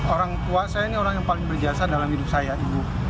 orang tua saya ini orang yang paling berjasa dalam hidup saya ibu